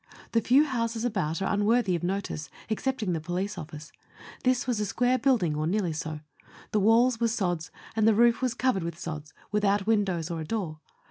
The few houses about are un worthy of notice, excepting the police office. This was a square building or nearly so ; the walls were sods, and the roof was covered with sods, without windows or a door.